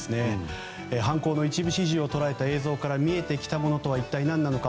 犯行の一部始終を捉えた映像から見えてきたものは一体何なのか。